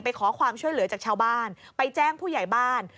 ขอความช่วยเหลือจากชาวบ้านไปแจ้งผู้ใหญ่บ้าน